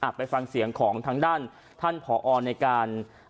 ไปฟังเสียงของทางด้านท่านผอในการ